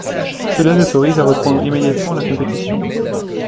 Cela l'autorise à reprendre immédiatement la compétition.